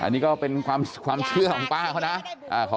อันนี้ก็เป็นความเชื่อของป้าเขานะ